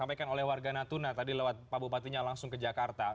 disampaikan oleh warga natuna tadi lewat pak bupatinya langsung ke jakarta